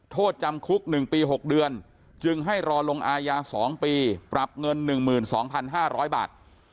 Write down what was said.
โทษจำคุก๑ปี๖เดือนจึงให้รอลงอายา๒ปีปรับเงิน๑๒๕๐๐บาท